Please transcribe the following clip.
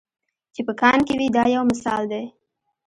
چې په کان کې وي دا یو مثال دی.